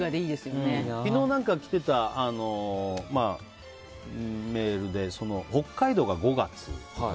昨日来てたメールで北海道が５月。